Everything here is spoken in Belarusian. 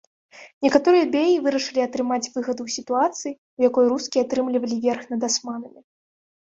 Некаторыя беі вырашылі атрымаць выгаду ў сітуацыі, у якой рускія атрымлівалі верх над асманамі.